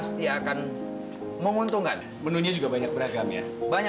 sekarang kamu keluar aja ya